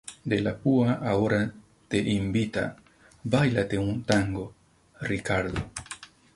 De la Púa ahora te invita;¡bailate un tango, Ricardo!